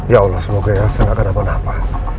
ya allah semoga elsa gak akan apa apa